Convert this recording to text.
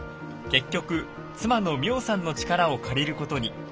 結局妻の苗さんの力を借りることに。